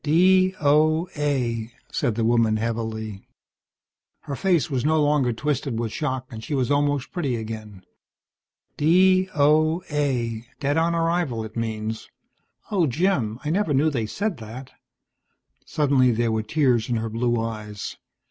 "D.O.A.," said the woman heavily. Her face was no longer twisted with shock, and she was almost pretty again. "D.O.A. Dead on arrival, it means. Oh, Jim, I never knew they said that." Suddenly there were tears in her blue eyes.